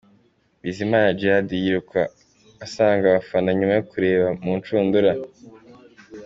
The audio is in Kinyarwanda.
Bizimana Djihad yiruka asanga abafana nyuma yo kureba mu rucundura.